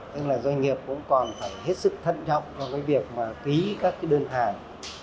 tức là doanh nghiệp cũng còn phải hết sức thận trọng trong cái việc mà ký các cái đơn hàng